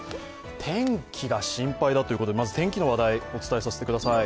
天気が心配だということで、まず天気の話題お伝えさせてください。